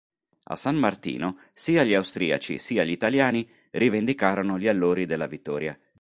A San Martino sia gli austriaci sia gli italiani rivendicarono gli allori della vittoria.